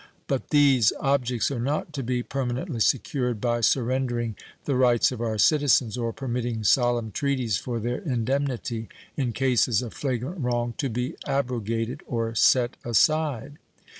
But these objects are not to be permanently secured by surrendering the rights of our citizens or permitting solemn treaties for their indemnity, in cases of flagrant wrong, to be abrogated or set aside.